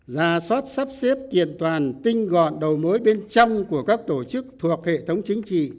ra soát sắp xếp kiện toàn tinh gọn đầu mối bên trong của các tổ chức thuộc hệ thống chính trị